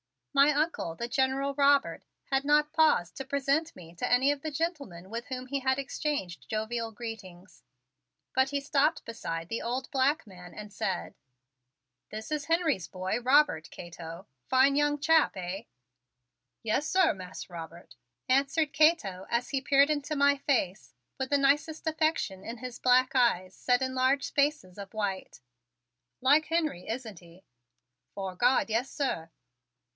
My Uncle, the General Robert, had not paused to present to me any of the gentlemen with whom he had exchanged jovial greetings, but he stopped beside the old black man and said: "This is Henry's boy, Robert, Cato. Fine young chap, eh?" "Yes, sir, Mas' Robert," answered Cato as he peered into my face with the nicest affection in his black eyes set in large spaces of white. "Like Henry, isn't he?" "'Fore God, yes, sir!"